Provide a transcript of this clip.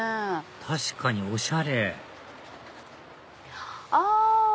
確かにおしゃれあ！